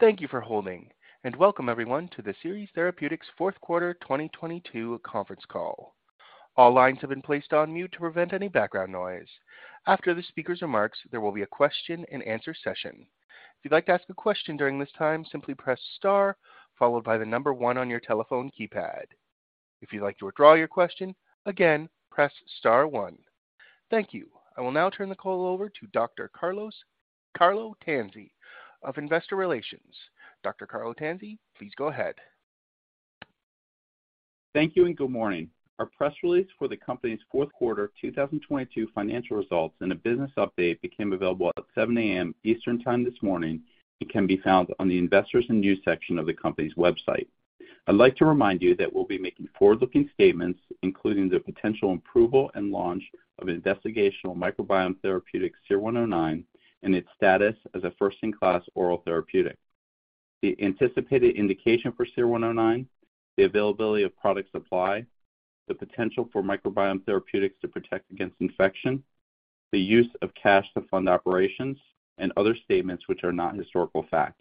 Thank you for holding. Welcome everyone to the Seres Therapeutics fourth quarter 2022 conference call. All lines have been placed on mute to prevent any background noise. After the speaker's remarks, there will be a question and answer session. If you'd like to ask a question during this time, simply press star followed by one on your telephone keypad. If you'd like to withdraw your question, again, press star one. Thank you. I will now turn the call over to Dr. Carlo Tanzi of Investor Relations. Dr. Carlo Tanzi, please go ahead. Thank you, and good morning. Our press release for the company's fourth quarter 2022 financial results and a business update became available at 7:00 A.M. Eastern time this morning and can be found on the Investors and News section of the company's website. I'd like to remind you that we'll be making forward-looking statements, including the potential approval and launch of investigational microbiome therapeutic SER-109 and its status as a first-in-class oral therapeutic. The anticipated indication for SER-109, the availability of product supply, the potential for microbiome therapeutics to protect against infection, the use of cash to fund operations, and other statements which are not historical fact.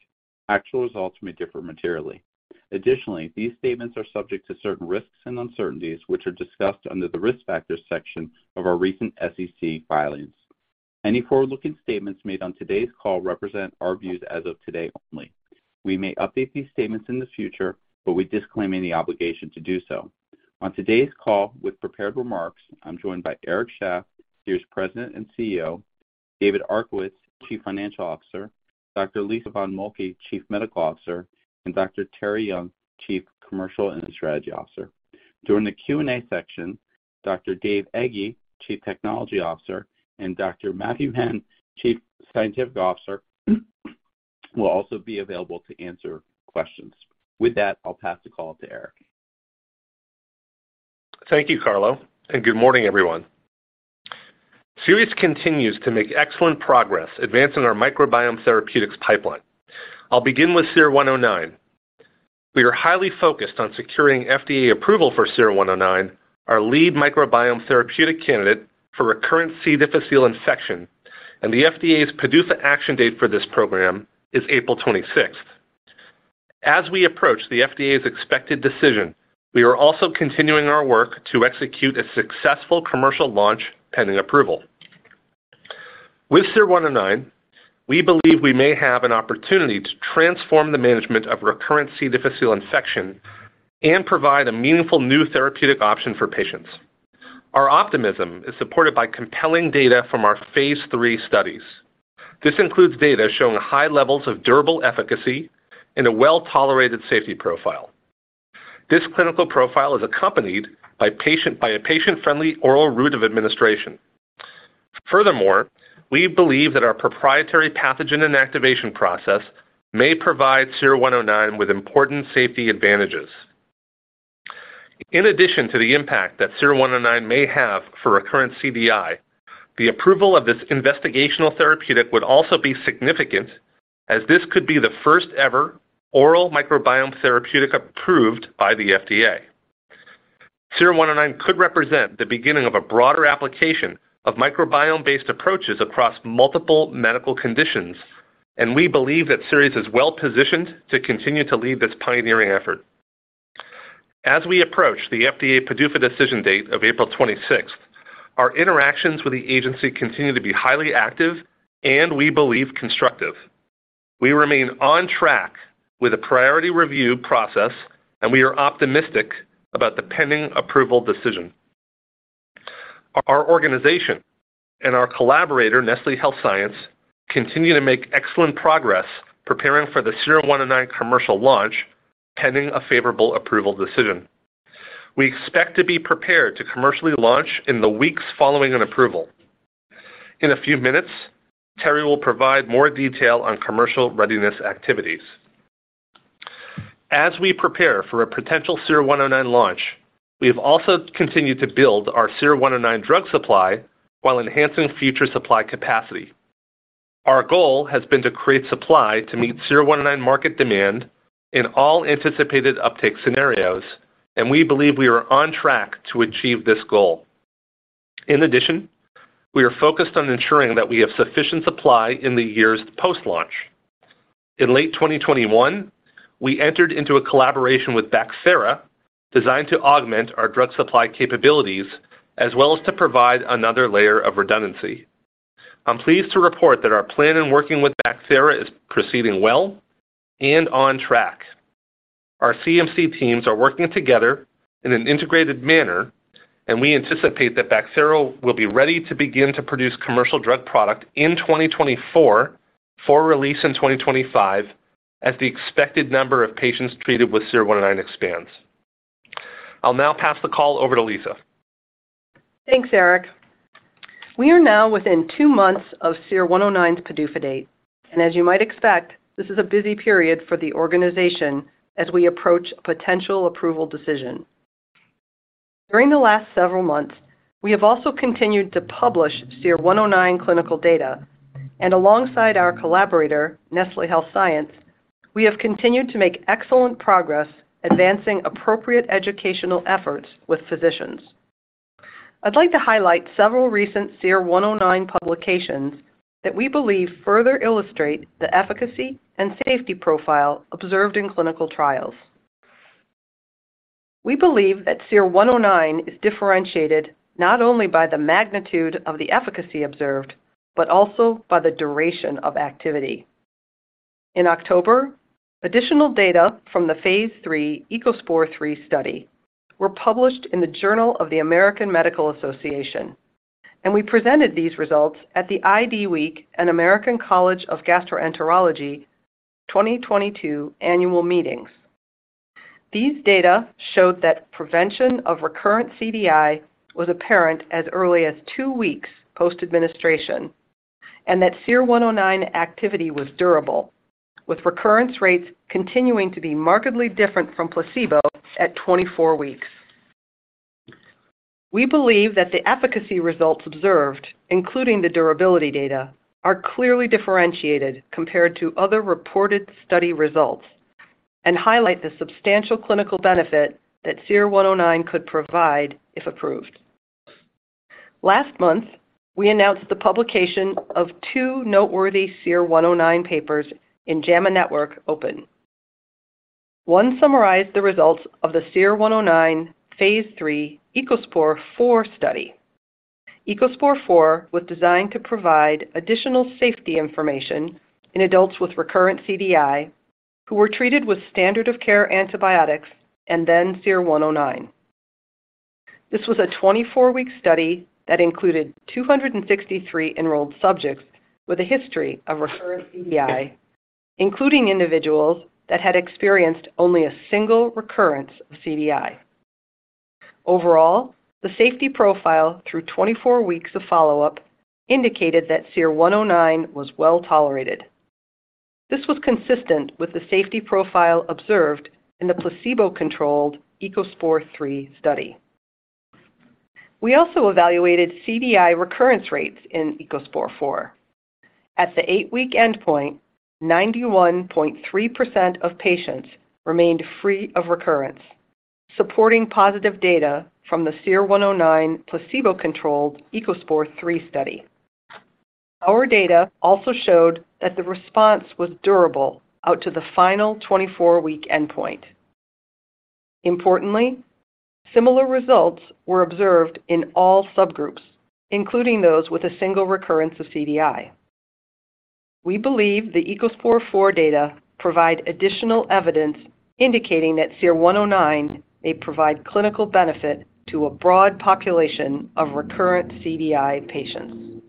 Actual results may differ materially. Additionally, these statements are subject to certain risks and uncertainties, which are discussed under the Risk Factors section of our recent SEC filings. Any forward-looking statements made on today's call represent our views as of today only. We may update these statements in the future, we disclaim any obligation to do so. On today's call with prepared remarks, I'm joined by Eric Shaff, Seres President and CEO, David Arkowitz, Chief Financial Officer, Dr. Lisa von Moltke, Chief Medical Officer, and Dr. Terri Young, Chief Commercial and Strategy Officer. During the Q&A section, Dr. Dave Ege, Chief Technology Officer, and Dr. Matthew Henn, Chief Scientific Officer, will also be available to answer questions. With that, I'll pass the call to Eric. Thank you, Carlo. Good morning, everyone. Seres continues to make excellent progress advancing our microbiome therapeutics pipeline. I'll begin with SER-109. We are highly focused on securing FDA approval for SER-109, our lead microbiome therapeutic candidate for recurrent C. difficile infection. The FDA's PDUFA action date for this program is April 26th. As we approach the FDA's expected decision, we are also continuing our work to execute a successful commercial launch pending approval. With SER-109, we believe we may have an opportunity to transform the management of recurrent C. difficile infection and provide a meaningful new therapeutic option for patients. Our optimism is supported by compelling data from our phase III studies. This includes data showing high levels of durable efficacy and a well-tolerated safety profile. This clinical profile is accompanied by a patient-friendly oral route of administration. Furthermore, we believe that our proprietary pathogen inactivation process may provide SER-109 with important safety advantages. In addition to the impact that SER-109 may have for recurrent CDI, the approval of this investigational therapeutic would also be significant as this could be the first ever oral microbiome therapeutic approved by the FDA. SER-109 could represent the beginning of a broader application of microbiome-based approaches across multiple medical conditions, and we believe that Seres is well positioned to continue to lead this pioneering effort. As we approach the FDA PDUFA decision date of April 26th, our interactions with the agency continue to be highly active and we believe constructive. We remain on track with a priority review process, and we are optimistic about the pending approval decision. Our organization and our collaborator, Nestlé Health Science, continue to make excellent progress preparing for the SER-109 commercial launch pending a favorable approval decision. We expect to be prepared to commercially launch in the weeks following an approval. In a few minutes, Terri will provide more detail on commercial readiness activities. As we prepare for a potential SER-109 launch, we have also continued to build our SER-109 drug supply while enhancing future supply capacity. Our goal has been to create supply to meet SER-109 market demand in all anticipated uptake scenarios, and we believe we are on track to achieve this goal. We are focused on ensuring that we have sufficient supply in the years post-launch. In late 2021, we entered into a collaboration with Bacthera designed to augment our drug supply capabilities as well as to provide another layer of redundancy. I'm pleased to report that our plan in working with Bacthera is proceeding well and on track. Our CMC teams are working together in an integrated manner, and we anticipate that Bacthera will be ready to begin to produce commercial drug product in 2024 for release in 2025 as the expected number of patients treated with SER-109 expands. I'll now pass the call over to Lisa. Thanks, Eric. We are now within two months of SER-109's PDUFA date. As you might expect, this is a busy period for the organization as we approach a potential approval decision. During the last several months, we have also continued to publish SER-109 clinical data. Alongside our collaborator, Nestlé Health Science, we have continued to make excellent progress advancing appropriate educational efforts with physicians. I'd like to highlight several recent SER-109 publications that we believe further illustrate the efficacy and safety profile observed in clinical trials. We believe that SER-109 is differentiated not only by the magnitude of the efficacy observed, but also by the duration of activity. In October, additional data from the phase III ECOSPOR III study were published in the Journal of the American Medical Association. We presented these results at the IDWeek and American College of Gastroenterology 2022 Annual Meetings. These data showed that prevention of recurrent CDI was apparent as early as two weeks post-administration. That SER-109 activity was durable, with recurrence rates continuing to be markedly different from placebo at 24 weeks. We believe that the efficacy results observed, including the durability data, are clearly differentiated compared to other reported study results and highlight the substantial clinical benefit that SER-109 could provide if approved. Last month, we announced the publication of two noteworthy SER-109 papers in JAMA Network Open. One summarized the results of the SER-109 phase III ECOSPOR IV study. ECOSPOR IV was designed to provide additional safety information in adults with recurrent CDI who were treated with standard of care antibiotics and then SER-109. This was a 24-week study that included 263 enrolled subjects with a history of recurrent CDI, including individuals that had experienced only a single recurrence of CDI. Overall, the safety profile through 24 weeks of follow-up indicated that SER-109 was well-tolerated. This was consistent with the safety profile observed in the placebo-controlled ECOSPOR III study. We also evaluated CDI recurrence rates in ECOSPOR IV. At the eight-week endpoint, 91.3% of patients remained free of recurrence, supporting positive data from the SER-109 placebo-controlled ECOSPOR III study. Our data also showed that the response was durable out to the final 24-week endpoint. Importantly, similar results were observed in all subgroups, including those with a single recurrence of CDI. We believe the ECOSPOR IV data provide additional evidence indicating that SER-109 may provide clinical benefit to a broad population of recurrent CDI patients.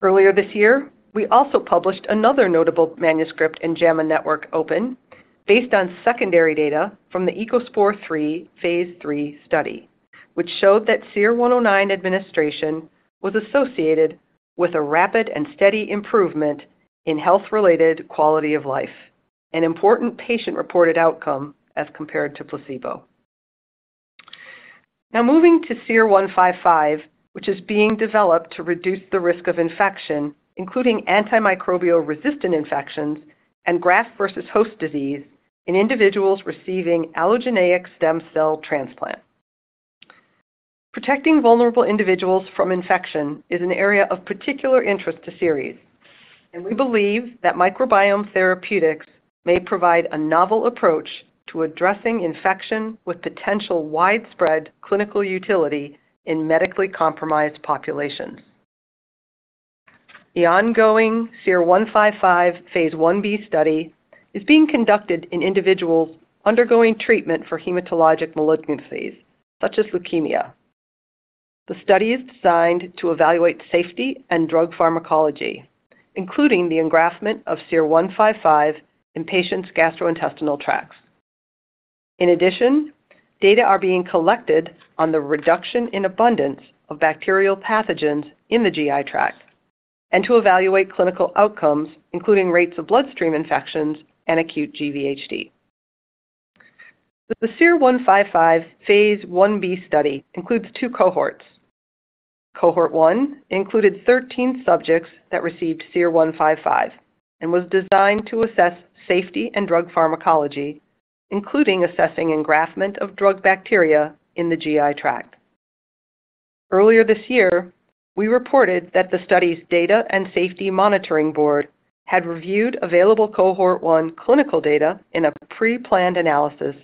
Earlier this year, we also published another notable manuscript in JAMA Network Open based on secondary data from the ECOSPOR III phase III study, which showed that SER-109 administration was associated with a rapid and steady improvement in health-related quality of life, an important patient-reported outcome as compared to placebo. Moving to SER-155, which is being developed to reduce the risk of infection, including antimicrobial-resistant infections and graft-versus-host disease in individuals receiving allogeneic stem cell transplant. Protecting vulnerable individuals from infection is an area of particular interest to Seres, we believe that microbiome therapeutics may provide a novel approach to addressing infection with potential widespread clinical utility in medically compromised populations. The ongoing SER-155 phase I-B study is being conducted in individuals undergoing treatment for hematologic malignancies, such as leukemia. The study is designed to evaluate safety and drug pharmacology, including the engraftment of SER-155 in patients' gastrointestinal tracts. In addition, data are being collected on the reduction in abundance of bacterial pathogens in the GI tract and to evaluate clinical outcomes, including rates of bloodstream infections and acute GvHD. The phase I-B study includes two cohorts. Cohort 1 included 13 subjects that received SER-155 and was designed to assess safety and drug pharmacology, including assessing engraftment of drug bacteria in the GI tract. Earlier this year, we reported that the study's Data Safety Monitoring Board had reviewed available Cohort 1 clinical data in a pre-planned analysis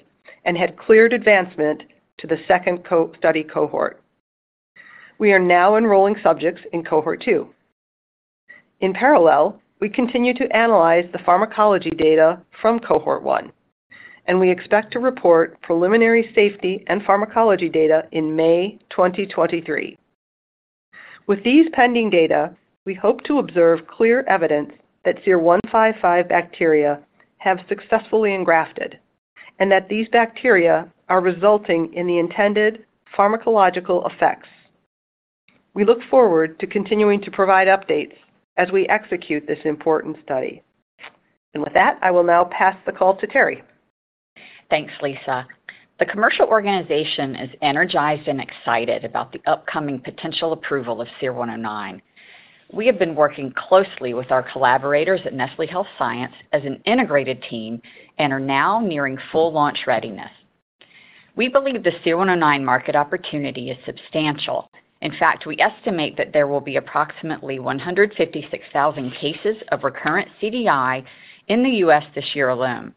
and had cleared advancement to the second study cohort. We are now enrolling subjects in Cohort 2. In parallel, we continue to analyze the pharmacology data from Cohort 1, and we expect to report preliminary safety and pharmacology data in May 2023. With these pending data, we hope to observe clear evidence that SER-155 bacteria have successfully engrafted and that these bacteria are resulting in the intended pharmacological effects. We look forward to continuing to provide updates as we execute this important study. With that, I will now pass the call to Terri. Thanks, Lisa. The commercial organization is energized and excited about the upcoming potential approval of SER-109. We have been working closely with our collaborators at Nestlé Health Science as an integrated team and are now nearing full launch readiness. We believe the SER-109 market opportunity is substantial. In fact, we estimate that there will be approximately 156,000 cases of recurrent CDI in the U.S. this year alone.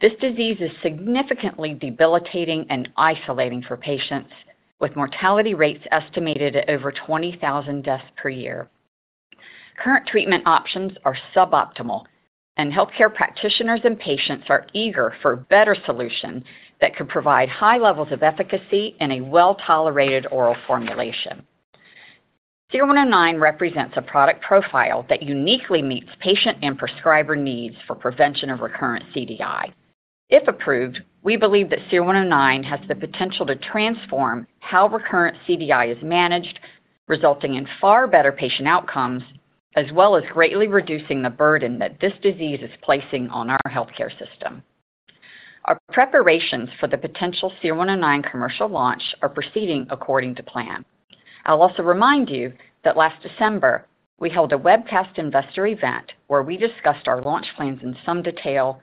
This disease is significantly debilitating and isolating for patients, with mortality rates estimated at over 20,000 deaths per year. Current treatment options are suboptimal, and healthcare practitioners and patients are eager for a better solution that can provide high levels of efficacy and a well-tolerated oral formulation. SER-109 represents a product profile that uniquely meets patient and prescriber needs for prevention of recurrent CDI. If approved, we believe that SER-109 has the potential to transform how recurrent CDI is managed, resulting in far better patient outcomes, as well as greatly reducing the burden that this disease is placing on our healthcare system. Our preparations for the potential SER-109 commercial launch are proceeding according to plan. I'll also remind you that last December, we held a webcast investor event where we discussed our launch plans in some detail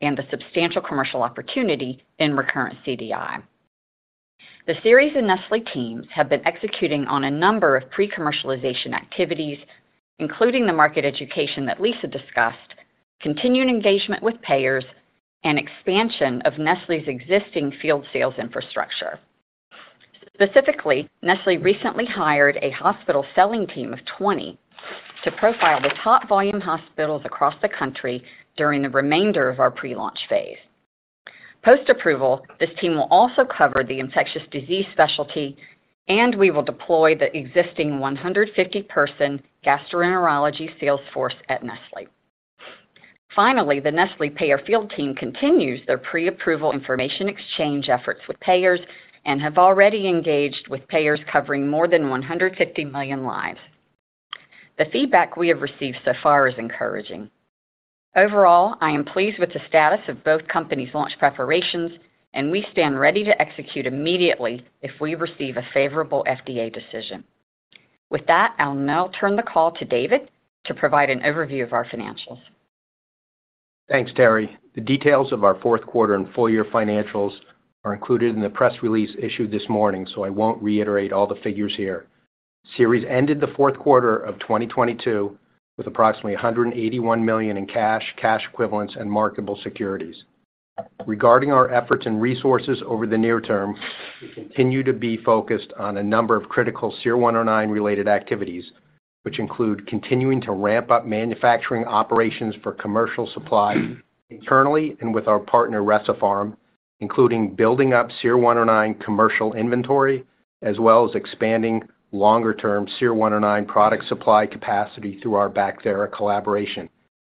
and the substantial commercial opportunity in recurrent CDI. The Seres and Nestlé teams have been executing on a number of pre-commercialization activities, including the market education that Lisa discussed, continuing engagement with payers, and expansion of Nestlé's existing field sales infrastructure. Specifically, Nestlé recently hired a hospital selling team of 20 to profile the top volume hospitals across the country during the remainder of our pre-launch phase. Post-approval, this team will also cover the infectious disease specialty. We will deploy the existing 150-person gastroenterology sales force at Nestlé. The Nestlé payer field team continues their pre-approval information exchange efforts with payers and have already engaged with payers covering more than 150 million lives. The feedback we have received so far is encouraging. I am pleased with the status of both companies' launch preparations. We stand ready to execute immediately if we receive a favorable FDA decision. I'll now turn the call to David to provide an overview of our financials. Thanks, Terri. The details of our fourth quarter and full year financials are included in the press release issued this morning, so I won't reiterate all the figures here. Seres ended the fourth quarter of 2022 with approximately $181 million in cash equivalents, and marketable securities. Regarding our efforts and resources over the near term, we continue to be focused on a number of critical SER-109 related activities, which include continuing to ramp up manufacturing operations for commercial supply internally and with our partner Recipharm, including building up SER-109 commercial inventory, as well as expanding longer-term SER-109 product supply capacity through our Bacthera collaboration.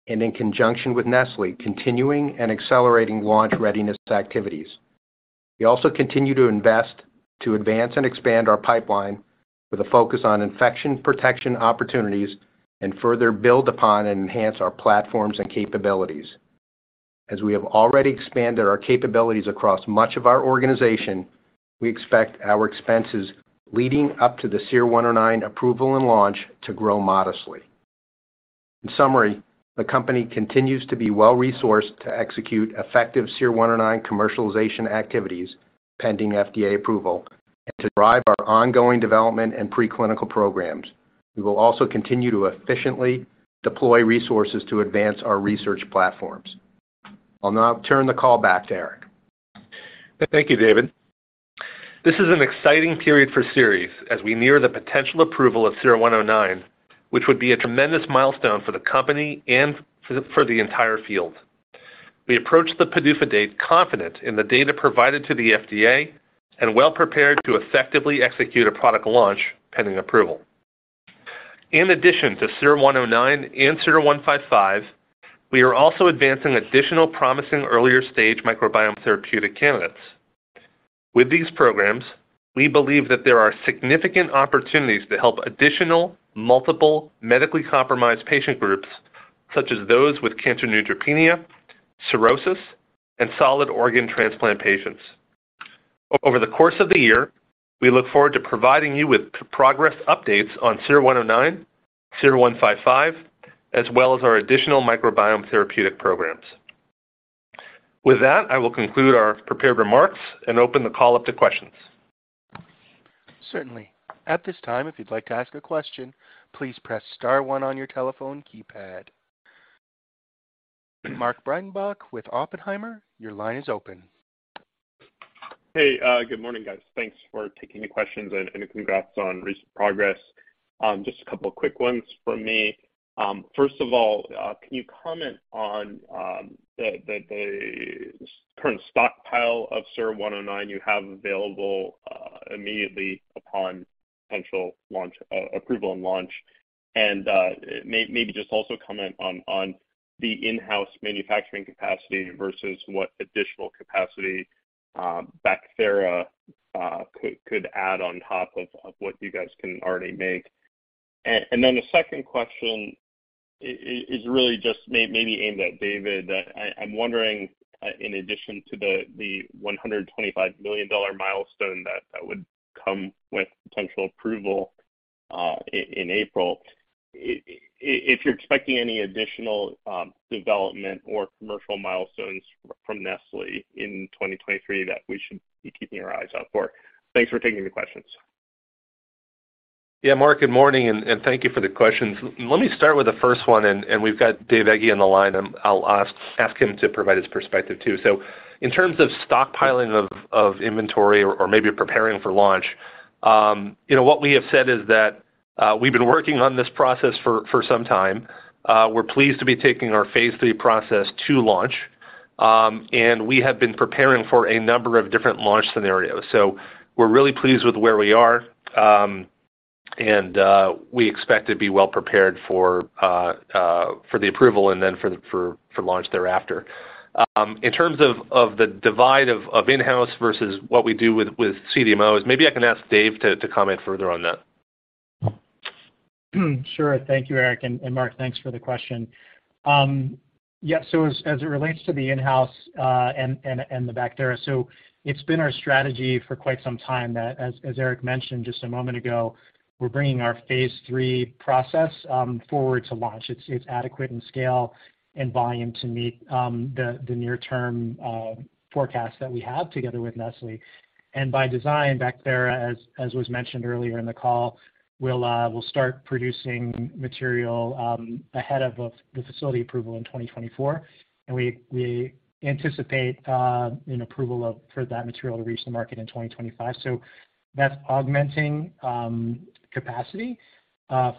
In conjunction with Nestlé, continuing and accelerating launch readiness activities. We also continue to invest to advance and expand our pipeline with a focus on infection protection opportunities and further build upon and enhance our platforms and capabilities. As we have already expanded our capabilities across much of our organization, we expect our expenses leading up to the SER-109 approval and launch to grow modestly. In summary, the company continues to be well-resourced to execute effective SER-109 commercialization activities pending FDA approval and to drive our ongoing development and preclinical programs. We will also continue to efficiently deploy resources to advance our research platforms. I'll now turn the call back to Eric. Thank you, David. This is an exciting period for Seres as we near the potential approval of SER-109, which would be a tremendous milestone for the company and for the entire field. We approach the PDUFA date confident in the data provided to the FDA and well-prepared to effectively execute a product launch pending approval. In addition to SER-109 and SER-155, we are also advancing additional promising earlier stage microbiome therapeutic candidates. With these programs, we believe that there are significant opportunities to help additional multiple medically compromised patient groups such as those with cancer neutropenia, cirrhosis, and solid organ transplant patients. Over the course of the year, we look forward to providing you with progress updates on SER-109, SER-155, as well as our additional microbiome therapeutic programs. With that, I will conclude our prepared remarks and open the call up to questions. Certainly. At this time, if you'd like to ask a question, please press star one on your telephone keypad. Mark Breidenbach with Oppenheimer, your line is open. Hey, good morning, guys. Thanks for taking the questions and congrats on recent progress. Just a couple of quick ones from me. First of all, can you comment on the current stockpile of SER-109 you have available immediately upon potential launch, approval and launch? Maybe just also comment on the in-house manufacturing capacity versus what additional capacity Bacthera could add on top of what you guys can already make. Then the second question is really just maybe aimed at David. I'm wondering, in addition to the $125 million milestone that would come with potential approval, in April, if you're expecting any additional development or commercial milestones from Nestlé in 2023 that we should be keeping our eyes out for. Thanks for taking the questions. Yeah, Mark, good morning, and thank you for the questions. Let me start with the first one, and we've got David Ege on the line, I'll ask him to provide his perspective too. In terms of stockpiling of inventory or maybe preparing for launch, you know, what we have said is that we've been working on this process for some time. We're pleased to be taking our phase III process to launch, and we have been preparing for a number of different launch scenarios. We're really pleased with where we are, and we expect to be well prepared for the approval and then for launch thereafter. In terms of the divide of in-house versus what we do with CDMOs, maybe I can ask Dave to comment further on that. Sure. Thank you, Eric, and Mark, thanks for the question. As it relates to the in-house and the Bacthera, it's been our strategy for quite some time that as Eric mentioned just a moment ago, we're bringing our phase III process forward to launch. It's adequate in scale and volume to meet the near-term forecast that we have together with Nestlé. By design, Bacthera, as was mentioned earlier in the call, will start producing material ahead of the facility approval in 2024. We anticipate an approval for that material to reach the market in 2025. That's augmenting capacity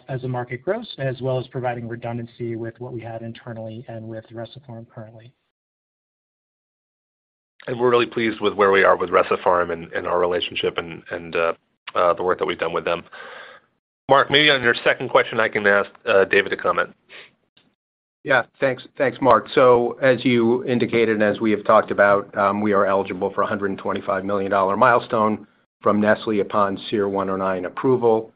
as the market grows, as well as providing redundancy with what we had internally and with Recipharm currently. We're really pleased with where we are with Recipharm and our relationship and the work that we've done with them. Mark, maybe on your second question, I can ask David to comment. Yeah. Thanks. Thanks, Mark. As you indicated, and as we have talked about, we are eligible for a $125 million milestone from Nestlé upon SER-109 approval.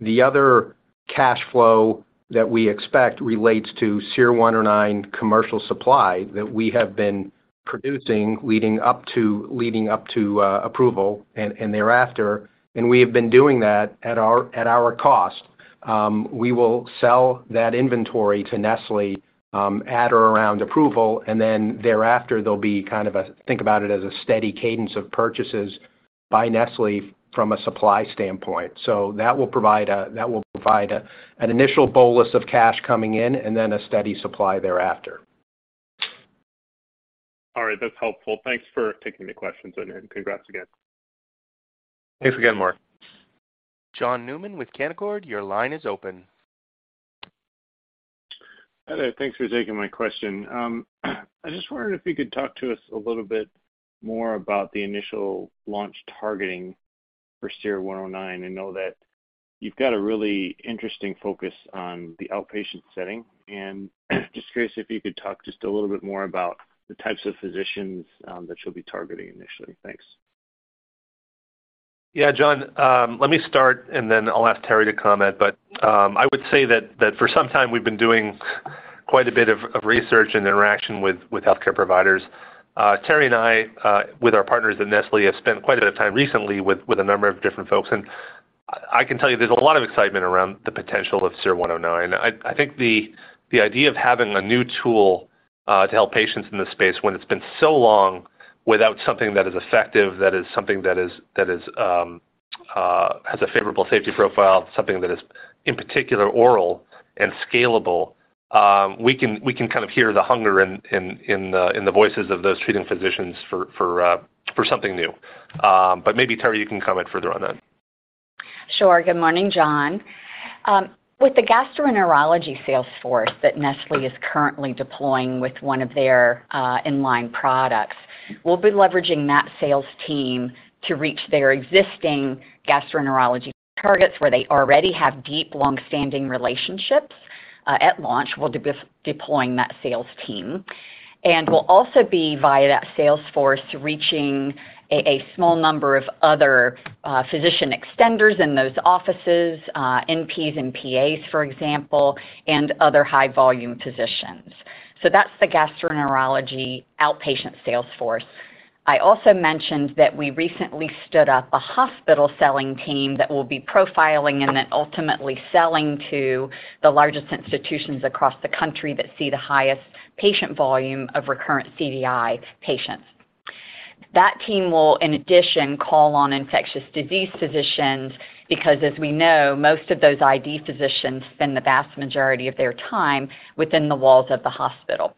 The other cash flow that we expect relates to SER-109 commercial supply that we have been producing leading up to approval and thereafter. We have been doing that at our cost. We will sell that inventory to Nestlé, at or around approval, and then thereafter, there'll be kind of a think about it as a steady cadence of purchases by Nestlé from a supply standpoint. That will provide an initial bolus of cash coming in and then a steady supply thereafter. All right. That's helpful. Thanks for taking the questions, and congrats again. Thanks again, Mark. John Newman with Canaccord, your line is open. Hi there. Thanks for taking my question. I just wondered if you could talk to us a little bit more about the initial launch targeting for SER-109. I know that you've got a really interesting focus on the outpatient setting, and just curious if you could talk just a little bit more about the types of physicians that you'll be targeting initially. Thanks. John, let me start, and then I'll ask Terri to comment. I would say that for some time we've been doing quite a bit of research and interaction with healthcare providers. Terri and I, with our partners at Nestlé, have spent quite a bit of time recently with a number of different folks, and I can tell you there's a lot of excitement around the potential of SER-109. I think the idea of having a new tool, to help patients in this space when it's been so long without something that is effective, that is something that is, has a favorable safety profile, something that is, in particular oral and scalable, we can kind of hear the hunger in the voices of those treating physicians for something new. Maybe, Terri, you can comment further on that. Sure. Good morning, John. With the gastroenterology sales force that Nestlé is currently deploying with one of their in-line products, we'll be leveraging that sales team to reach their existing gastroenterology targets where they already have deep, long-standing relationships. At launch, we'll be deploying that sales team. We'll also be via that sales force, reaching a small number of other physician extenders in those offices, NPs and PAs, for example, and other high volume physicians. That's the gastroenterology outpatient sales force. I also mentioned that we recently stood up a hospital selling team that will be profiling and then ultimately selling to the largest institutions across the country that see the highest patient volume of recurrent CDI patients. That team will, in addition, call on infectious disease physicians because as we know, most of those ID physicians spend the vast majority of their time within the walls of the hospital.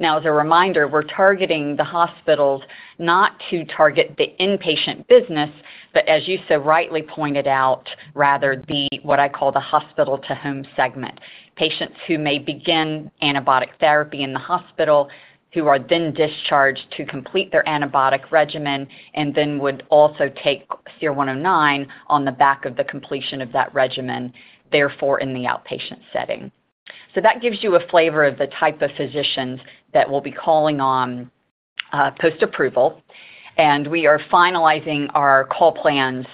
As a reminder, we're targeting the hospitals not to target the inpatient business, but as you so rightly pointed out, rather the what I call the hospital to home segment. Patients who may begin antibiotic therapy in the hospital, who are then discharged to complete their antibiotic regimen, and then would also take SER-109 on the back of the completion of that regimen, therefore in the outpatient setting. That gives you a flavor of the type of physicians that we'll be calling on post-approval, and we are finalizing our call plans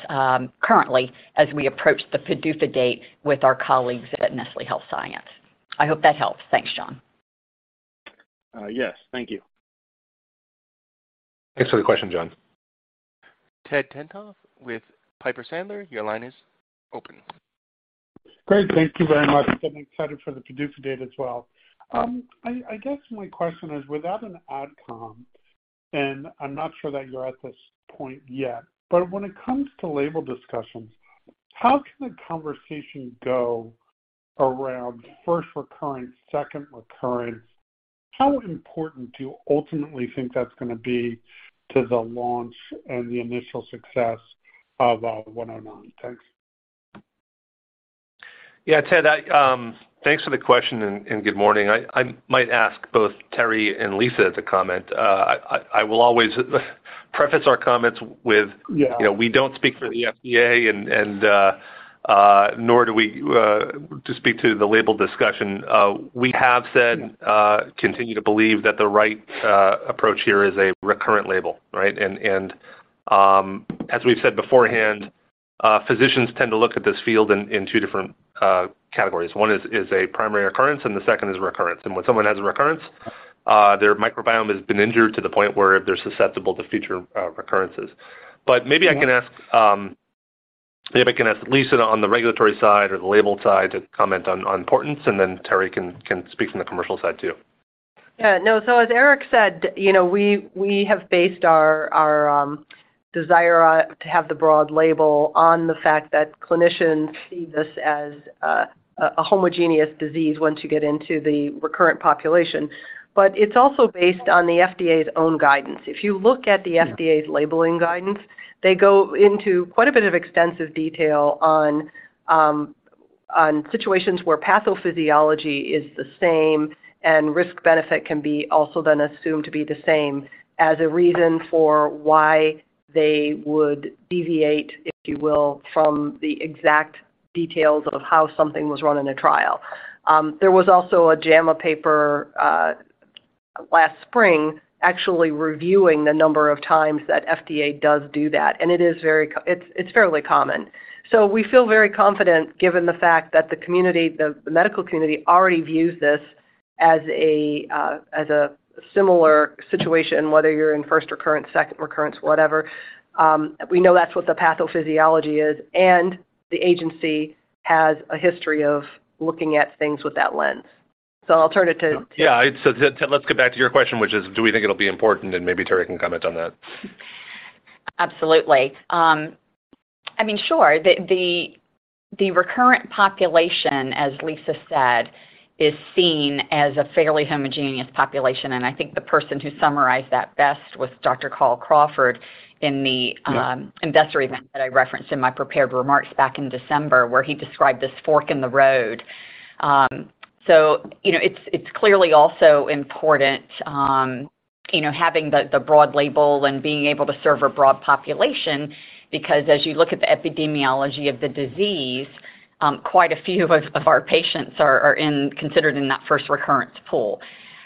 currently as we approach the PDUFA date with our colleagues at Nestlé Health Science. I hope that helps. Thanks, John. Yes. Thank you. Thanks for the question, John. Ted Tenthoff with Piper Sandler, your line is open. Great. Thank you very much. I'm excited for the PDUFA date as well. I guess my question is, without an AdCom, and I'm not sure that you're at this point yet, but when it comes to label discussions, how can the conversation go around first recurrence, second recurrence? How important do you ultimately think that's gonna be to the launch and the initial success of SER-109? Thanks. Yeah, Ted, I, thanks for the question and good morning. I will always preface our comments with Yeah You know, we don't speak for the FDA and nor do we to speak to the label discussion. We have said, continue to believe that the right approach here is a recurrent label, right? As we've said beforehand, physicians tend to look at this field in two different categories. One is a primary occurrence and the second is recurrence. When someone has a recurrence, their microbiome has been injured to the point where they're susceptible to future recurrences. Maybe I can ask Lisa on the regulatory side or the label side to comment on importance, and then Terri can speak from the commercial side too. Yeah. No. As Eric said, you know, we have based our desire to have the broad label on the fact that clinicians see this as a homogeneous disease once you get into the recurrent population. It's also based on the FDA's own guidance. If you look at the FDA's labeling guidance, they go into quite a bit of extensive detail on situations where pathophysiology is the same and risk-benefit can be also then assumed to be the same as a reason for why they would deviate, if you will, from the exact details of how something was run in a trial. There was also a JAMA paper last spring actually reviewing the number of times that FDA does do that, and it is very common. We feel very confident given the fact that the medical community already views this as a similar situation, whether you're in first recurrence, second recurrence, whatever. We know that's what the pathophysiology is. The agency has a history of looking at things with that lens. I'll turn it to. Yeah. Ted, let's get back to your question, which is do we think it'll be important, and maybe Terri can comment on that. Absolutely. I mean, sure. The recurrent population, as Lisa said, is seen as a fairly homogeneous population, and I think the person who summarized that best was Dr. Carl Crawford in the investor event that I referenced in my prepared remarks back in December, where he described this fork in the road. You know, it's clearly also important, you know, having the broad label and being able to serve a broad population because as you look at the epidemiology of the disease, quite a few of our patients are considered in that first recurrence pool,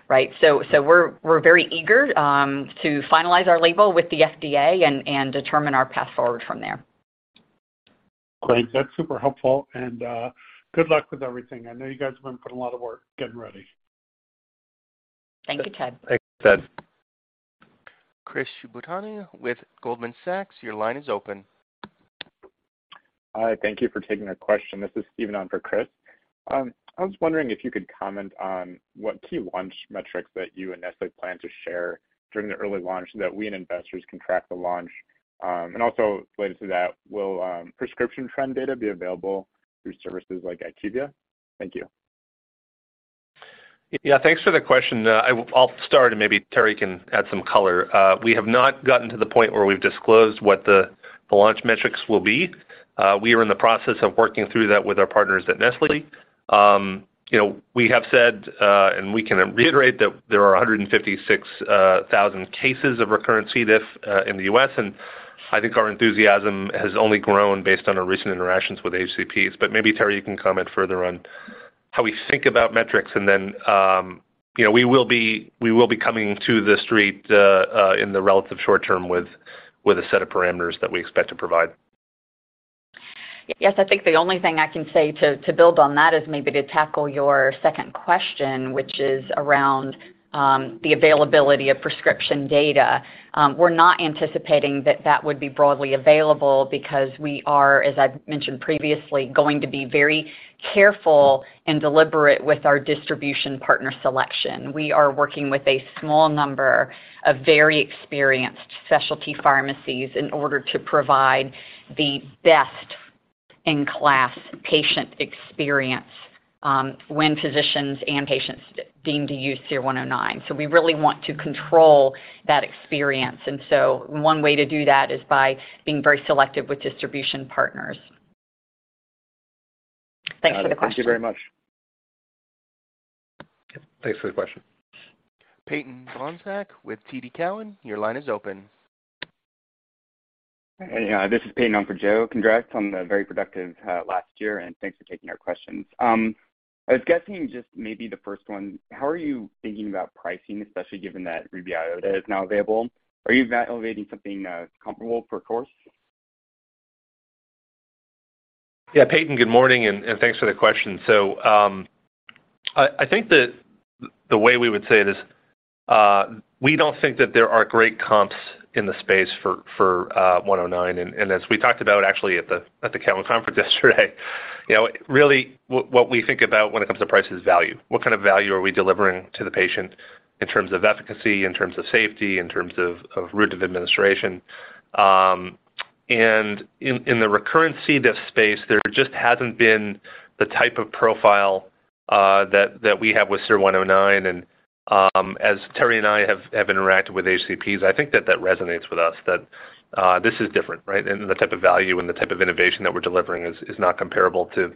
right? We're very eager to finalize our label with the FDA and determine our path forward from there. Great. That's super helpful. good luck with everything. I know you guys have been putting a lot of work getting ready. Thank you, Ted. Thanks, Ted. Chris Shibutani with Goldman Sachs, your line is open. Hi. Thank you for taking the question. This is Steven on for Chris. I was wondering if you could comment on what key launch metrics that you and Nestlé plan to share during the early launch so that we and investors can track the launch. Also related to that, will prescription trend data be available through services like IQVIA? Thank you. Yeah, thanks for the question. I'll start, and maybe Terri can add some color. We have not gotten to the point where we've disclosed what the launch metrics will be. We are in the process of working through that with our partners at Nestlé. You know, we have said, and we can reiterate that there are 156,000 cases of recurrent C. diff in the U.S., and I think our enthusiasm has only grown based on our recent interactions with HCPs. Maybe, Terri, you can comment further on how we think about metrics and then, you know, we will be coming to the street in the relative short term with a set of parameters that we expect to provide. Yes. I think the only thing I can say to build on that is maybe to tackle your second question, which is around the availability of prescription data. We're not anticipating that that would be broadly available because we are, as I've mentioned previously, going to be very careful and deliberate with our distribution partner selection. We are working with a small number of very experienced specialty pharmacies in order to provide the best in class patient experience, when physicians and patients deem to use SER-109. We really want to control that experience. One way to do that is by being very selective with distribution partners. Thanks for the question. Thank you very much. Thanks for the question. Peyton Bohnsack with TD Cowen, your line is open. Hey, this is Peyton on for Joe. Congrats on the very productive last year, thanks for taking our questions. I was guessing just maybe the first one, how are you thinking about pricing, especially given that REBYOTA is now available? Are you evaluating something comparable per course? Yeah, Peyton, good morning and thanks for the question. I think that the way we would say it is, we don't think that there are great comps in the space for SER-109. As we talked about actually at the Cowen conference yesterday, you know, really what we think about when it comes to price is value. What kind of value are we delivering to the patient in terms of efficacy, in terms of safety, in terms of route of administration? In the recurrent C. diff space, there just hasn't been the type of profile that we have with SER-109. As Terri and I have interacted with HCPs, I think that resonates with us, that this is different, right? The type of value and the type of innovation that we're delivering is not comparable to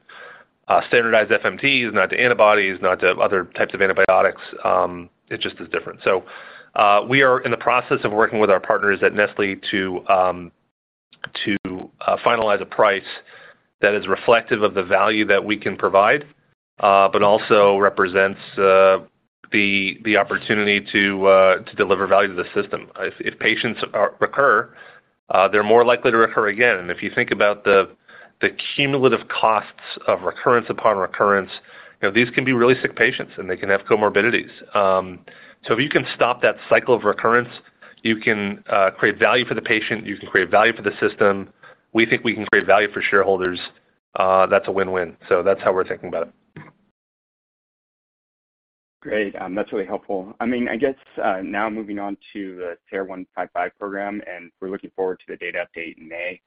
standardized FMT, not to antibodies, not to other types of antibiotics. It just is different. We are in the process of working with our partners at Nestlé to finalize a price that is reflective of the value that we can provide, but also represents the opportunity to deliver value to the system. If patients re-recur, they're more likely to recur again. If you think about the cumulative costs of recurrence upon recurrence, you know, these can be really sick patients, and they can have comorbidities. If you can stop that cycle of recurrence, you can create value for the patient, you can create value for the system. We think we can create value for shareholders. That's a win-win. That's how we're thinking about it. Great. That's really helpful. I mean, I guess, now moving on to the SER-155 program, and we're looking forward to the data update in May.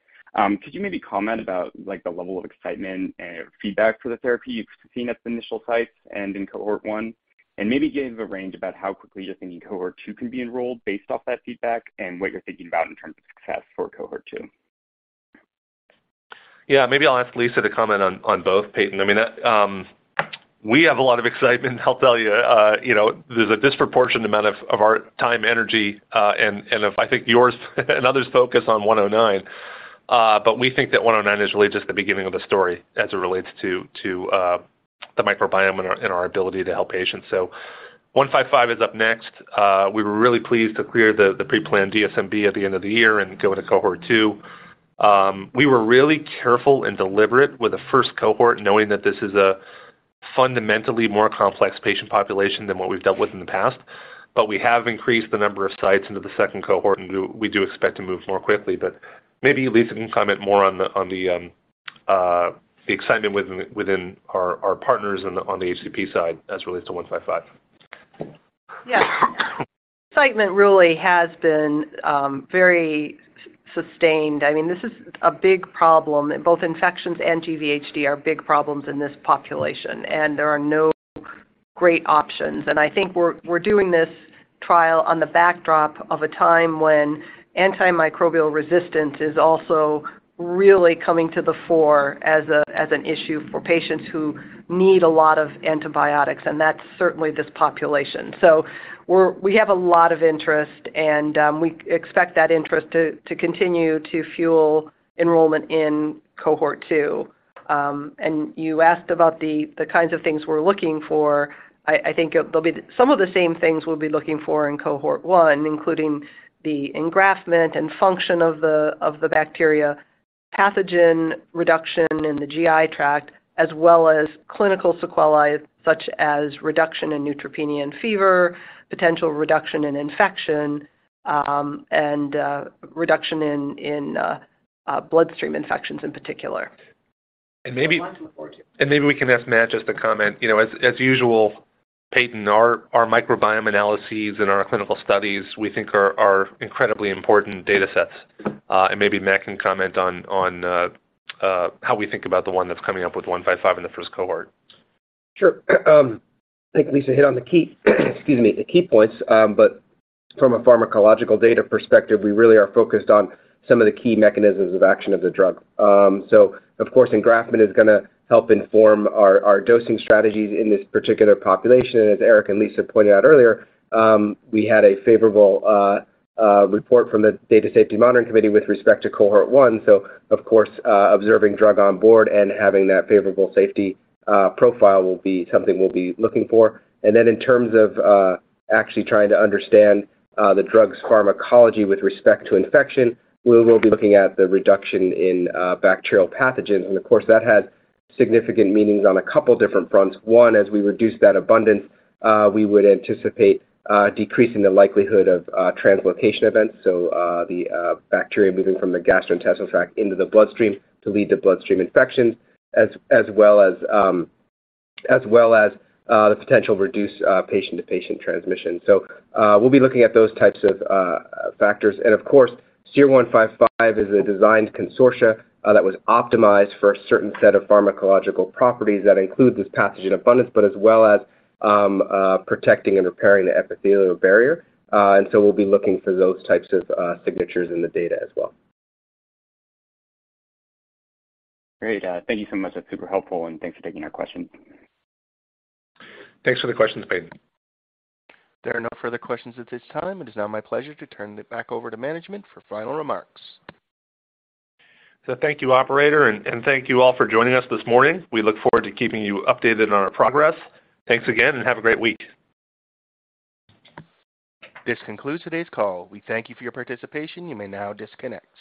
Could you maybe comment about, like, the level of excitement and feedback for the therapy you've seen at the initial sites and in Cohort 1? Maybe give a range about how quickly you're thinking Cohort 2 can be enrolled based off that feedback and what you're thinking about in terms of success for Cohort 2? Yeah. Maybe I'll ask Lisa to comment on both, Peyton. I mean, that, we have a lot of excitement, I'll tell you. you know, there's a disproportionate amount of our time, energy, and if I think yours and others focus on SER-109. We think that SER-109 is really just the beginning of the story as it relates to the microbiome and our ability to help patients. SER-155 is up next. We were really pleased to clear the pre-planned DSMB at the end of the year and go into Cohort 2. We were really careful and deliberate with the 1st cohort, knowing that this is a fundamentally more complex patient population than what we've dealt with in the past. We have increased the number of sites into the second cohort, and we do expect to move more quickly. Maybe Lisa can comment more on the excitement within our partners on the HCP side as it relates to 155. Yeah. Excitement really has been very sustained. I mean, this is a big problem. Both infections and GvHD are big problems in this population, there are no great options. I think we're doing this trial on the backdrop of a time when antimicrobial resistance is also really coming to the fore as an issue for patients who need a lot of antibiotics, and that's certainly this population. We have a lot of interest, and we expect that interest to continue to fuel enrollment in Cohort 2. You asked about the kinds of things we're looking for. I think it'll be some of the same things we'll be looking for in cohort one, including the engraftment and function of the bacteria, pathogen reduction in the GI tract, as well as clinical sequelae such as reduction in neutropenia and fever, potential reduction in infection, and reduction in bloodstream infections in particular. And maybe- Looking forward to. Maybe we can ask Matt just to comment. You know, as usual, Peyton, our microbiome analyses and our clinical studies we think are incredibly important data sets. Maybe Matt can comment on how we think about the one that's coming up with SER-155 in the first cohort. Sure. I think Lisa hit on the key, excuse me, the key points. From a pharmacological data perspective, we really are focused on some of the key mechanisms of action of the drug. Of course, engraftment is gonna help inform our dosing strategies in this particular population. As Eric and Lisa pointed out earlier, we had a favorable report from the Data Safety Monitoring Committee with respect to Cohort 1. Of course, observing drug on board and having that favorable safety profile will be something we'll be looking for. Then in terms of actually trying to understand the drug's pharmacology with respect to infection, we will be looking at the reduction in bacterial pathogens. Of course, that has significant meanings on a couple different fronts. One, as we reduce that abundance, we would anticipate decreasing the likelihood of translocation events, so the bacteria moving from the gastrointestinal tract into the bloodstream to lead to bloodstream infections as well as the potential to reduce patient-to-patient transmission. We'll be looking at those types of factors. Of course, SER-155 is a designed consortia that was optimized for a certain set of pharmacological properties that include this pathogen abundance, but as well as protecting and repairing the epithelial barrier. We'll be looking for those types of signatures in the data as well. Great. Thank you so much. That's super helpful, and thanks for taking our question. Thanks for the questions, Peyton. There are no further questions at this time. It is now my pleasure to turn it back over to management for final remarks. Thank you, operator, and thank you all for joining us this morning. We look forward to keeping you updated on our progress. Thanks again, and have a great week. This concludes today's call. We thank you for your participation. You may now disconnect.